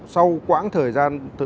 sau quãng thời gian